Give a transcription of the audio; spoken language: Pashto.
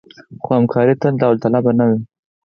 خو همکاري تل داوطلبانه نه وه.